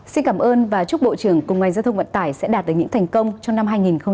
xin cảm ơn và chúc bộ trưởng cùng ngành giao thông vận tải sẽ đạt được những thành công trong năm hai nghìn hai mươi